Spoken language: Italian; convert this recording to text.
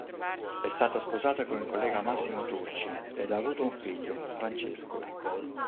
È stata sposata con il collega Massimo Turci ed ha avuto un figlio, Francesco.